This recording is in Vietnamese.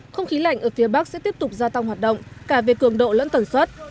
không khí lạnh ở phía bắc sẽ tiếp tục gia tăng hoạt động cả về cường độ lẫn tần suất